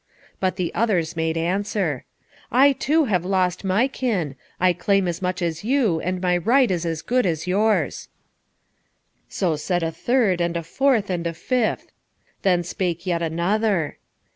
But the others made answer, "I, too, have lost my kin. I claim as much as you, and my right is good as yours." So said a third, and a fourth, and a fifth. Then spake yet another.